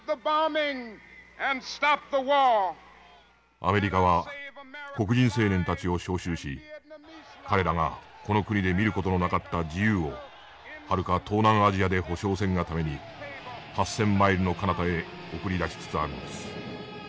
「アメリカは黒人青年たちを招集し彼らがこの国で見る事のなかった自由をはるか東南アジアで保障せんがために８，０００マイルのかなたへ送り出しつつあるのです。